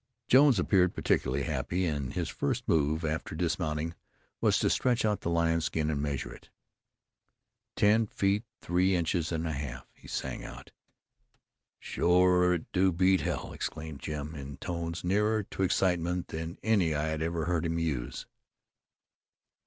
Jones appeared particularly happy, and his first move, after dismounting, was to stretch out the lion skin and measure it. "Ten feet, three inches and a half!" he sang out. "Shore it do beat hell!" exclaimed Jim in tones nearer to excitement than any I had ever heard him use.